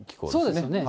そうですね。